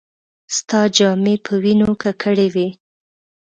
ستا جامې په وينو ککړې وې.